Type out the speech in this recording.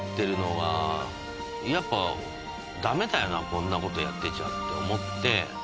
こんなことやってちゃって思って。